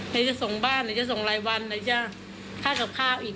หรือจะส่งบ้านหรือจะส่งรายวันหรือจะค่ากับข้าวอีก